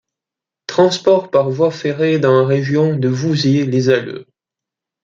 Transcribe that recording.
Transport par voie ferrée dans la région de Vouziers les Alleux.